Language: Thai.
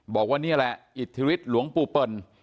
บอกว่านี่แหละอิทธิฤทธิหลวงปู่เปิล